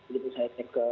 di sisi paksa klub yang ada